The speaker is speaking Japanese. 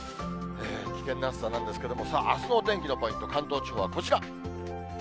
危険な暑さなんですけれども、あすのお天気のポイント、関東地方、こちら。